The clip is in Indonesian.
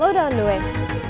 lo udah di jalan